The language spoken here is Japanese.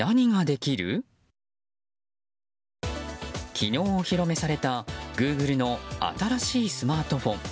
昨日お披露目されたグーグルの新しいスマートフォン。